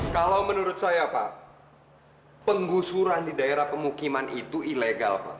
kalau menurut saya pak penggusuran di daerah pemukiman itu ilegal pak